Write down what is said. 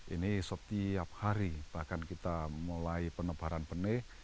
ini setiap hari bahkan kita mulai penebaran benih